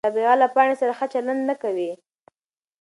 رابعه له پاڼې سره ښه چلند نه کوي.